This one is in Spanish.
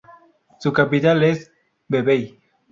Su capital es Vevey.